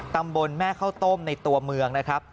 ตำบลแม่ข้าวต้มในตัวเมืองนะครับ